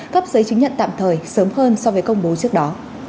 cấp giấy chứng nhận tạm thời sớm hơn so với công bố trước đó